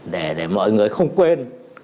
để mọi người không quên